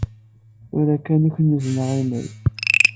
Tura kan i k-n-uzneɣ imayl.